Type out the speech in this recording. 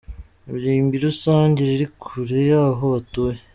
Irimbi rusange riri kure y’aho batuye.